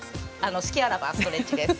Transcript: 隙あらばストレッチです！